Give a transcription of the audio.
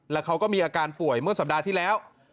แล้วเขาก็มีอาการป่วยเมื่อสัปดาห์ที่แล้ว